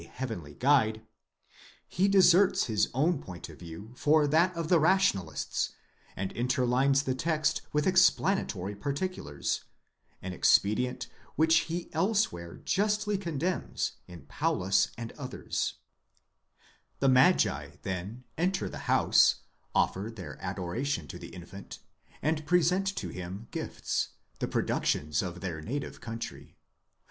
167 heavenly guide 1° ; he deserts his own point of view for that of the rationalists, and interlines the _text with explanatory particulars, an expedient which he elsewhere justly condemns in Paulus and others, The magi then enter the house, offer their adoration to the infant, and pre sent to him gifts, the productions of their native country.